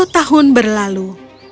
sepuluh tahun berlalu